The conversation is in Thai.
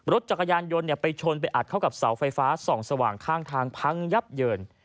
รถจักรยานยนต์ไปชนไปอัดเข้ากับเสาไฟฟ้าส่องสว่างข้างทางพังยับเยิน